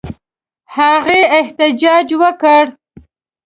هغې احتجاج وکړ.